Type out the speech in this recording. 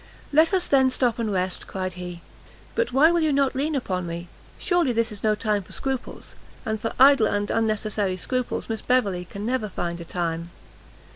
"Let us then stop and rest," cried he; "but why will you not lean upon me? surely this is no time for scruples, and for idle and unnecessary scruples, Miss Beverley can never find a time."